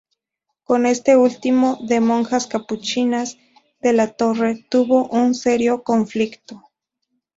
Con este último, de monjas capuchinas, De la Torre tuvo un serio conflicto.